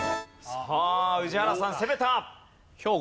さあ宇治原さん攻めた。